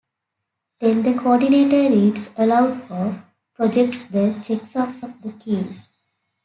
Then the coordinator reads aloud or projects the checksums of the keys.